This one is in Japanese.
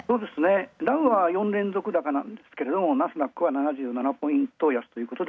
ダウは４連続高でナスダックは７７ポイント安。